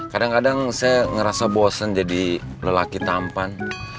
kadang kadang saya ngerasa bosen jadi lelaki tampan